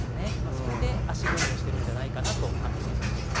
それで足踏みをしてるんじゃないかと推察しています。